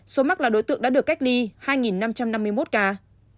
số mắc là đối tượng đã được cách ly hai năm trăm năm mươi một ca